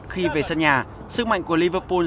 khi về sân nhà sức mạnh của liverpool